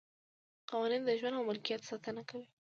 قوانین د ژوند او ملکیت ساتنه کوي.